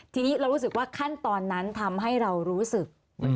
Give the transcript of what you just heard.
ทีนี้เรารู้สึกว่าขั้นตอนนั้นทำให้เรารู้สึก